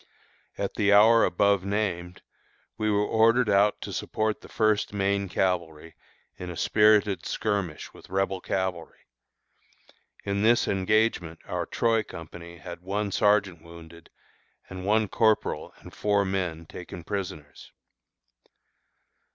At the hour above named we were ordered out to support the First Maine Cavalry in a spirited skirmish with Rebel cavalry. In this engagement our Troy company had one sergeant wounded, and one corporal and four men taken prisoners.